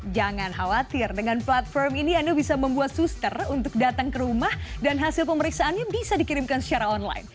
jangan khawatir dengan platform ini anda bisa membuat suster untuk datang ke rumah dan hasil pemeriksaannya bisa dikirimkan secara online